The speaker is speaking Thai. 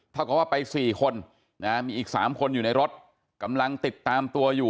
เท่ากับว่าไป๔คนมีอีก๓คนอยู่ในรถกำลังติดตามตัวอยู่